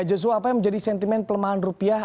joshua apa yang menjadi sentimen pelemahan rupiah